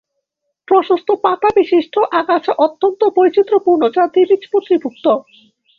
প্রশস্ত পাতাবিশিষ্ট আগাছা অত্যন্ত বৈচিত্র্যপূর্ণ যা দ্বিবীজপত্রীভুক্ত।